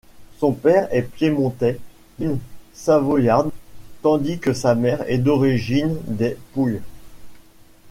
Son père est piémontais d'origine savoyarde, tandis que sa mère est originaire des Pouilles.